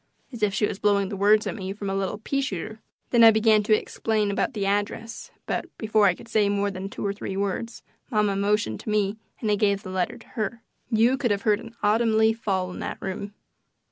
as if she was blowing the words at me from a little peashooter. Then I began to explain about the address, but before I could say more than two or three words mamma motioned to me and I gave the letter to her. You could have heard an autumn leaf fall in that room.